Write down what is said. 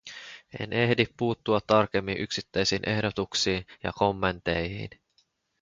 En ehdi puuttua tarkemmin yksittäisiin ehdotuksiin ja kommentteihin.